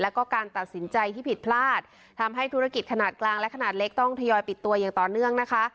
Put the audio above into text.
แล้วก็การตัดสินใจที่ผิดพลาดทำให้ธุรกิจขนาดกลางและขนาดเล็กต้องทยอยปิดตัวอย่างต่อเนื่องนะคะ